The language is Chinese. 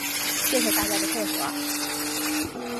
谢谢大家的配合